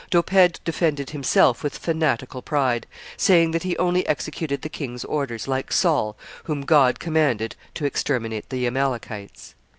D'Oppede defended himself with fanatical pride, saying that he only executed the king's orders, like Saul, whom God commanded to exterminate the Amalekites.